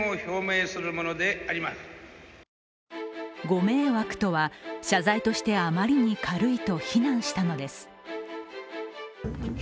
ご迷惑とは、謝罪としてあまりに軽いと非難したのです。